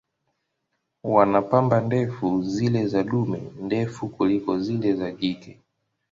Wana pamba ndefu, zile za dume ndefu kuliko zile za jike.